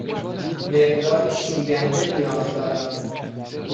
مقداری شوینده نیاز دارم.